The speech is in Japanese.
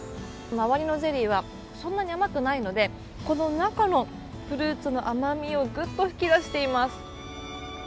周りのゼリーはそんなに甘くないので、この中のフルーツの甘みをぐっと引き出しています。